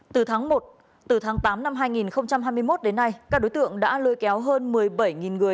từ tháng một từ tháng tám năm hai nghìn hai mươi một đến nay các đối tượng đã lưu kéo hơn một mươi bảy người